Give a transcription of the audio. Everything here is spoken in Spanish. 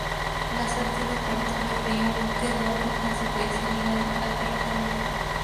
La suerte de Puerto Berrío quedó por consecuencia ligada al ferrocarril.